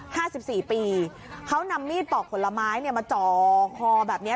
ห้าสิบสี่ปีเขานำมีดปอกผลไม้เนี่ยมาจ่อคอแบบเนี้ย